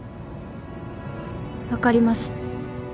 分かります。